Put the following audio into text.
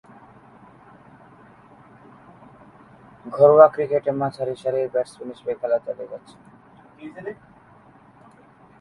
ঘরোয়া ক্রিকেটে মাঝারি-সারির ব্যাটসম্যান হিসেবে খেলা চালিয়ে যাচ্ছেন।